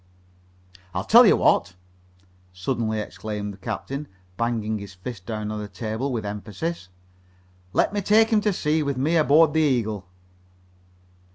"I'll tell you what," suddenly exclaimed the captain, banging his fist down on the table with emphasis. "Let me take him to sea with me aboard the Eagle."